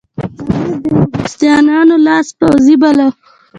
امیر د انګلیسیانو لاس پوڅی باله.